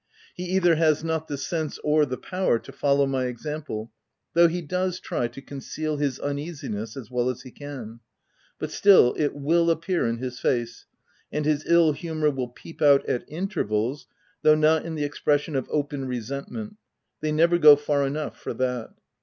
He either has not the sense or the power to follow my example, though he does try to conceal his uneasiness as well as he can ; but still, it will appear in his face, and his ill humour will peep out at intervals, though not in the expression of open resentment — they never go far enough for that.